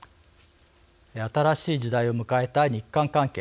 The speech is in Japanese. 新しい時代を迎えた日韓関係